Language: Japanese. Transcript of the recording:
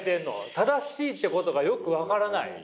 正しいってことがよく分からない。